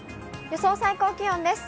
予想最高気温です。